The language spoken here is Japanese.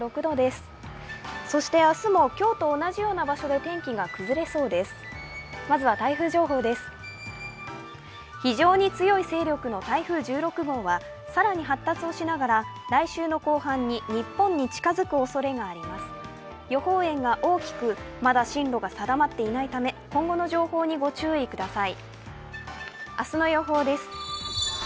予報円が大きく、まだ進路が定まっていないため今後の情報にご注意ください。